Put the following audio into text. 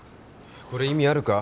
これ意味あるか？